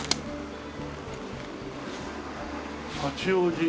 「八王子」。